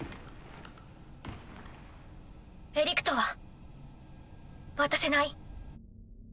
エリクトは渡せない。